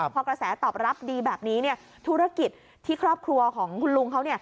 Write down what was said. พอกระแสตอบรับดีแบบนี้เนี่ยธุรกิจที่ครอบครัวของคุณลุงเขาเนี่ย